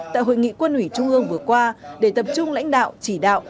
tại hội nghị quân ủy trung ương vừa qua để tập trung lãnh đạo chỉ đạo